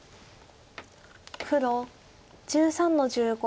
黒１３の十五。